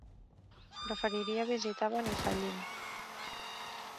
Preferiria visitar Benifallim.